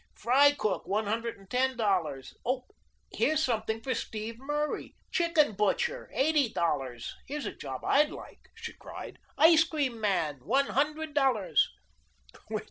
Fry cook, one hundred and ten dollars. Oh, here's something for Steve Murray: chicken butcher, eighty dollars; here's a job I'd like," she cried, "ice cream man, one hundred dollars."